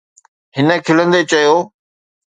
هن کلندي چيو.